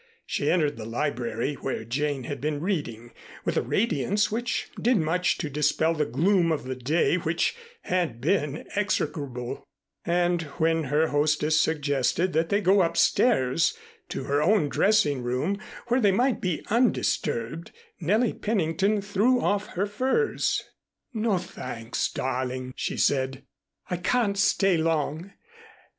She entered the library, where Jane had been reading, with a radiance which did much to dispel the gloom of the day which had been execrable; and when her hostess suggested that they go upstairs to her own dressing room, where they might be undisturbed, Nellie Pennington threw off her furs. "No, thanks, darling," she said. "I can't stay long.